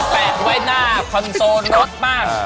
แปะใบหน้าคอนโสล็รสบ้าง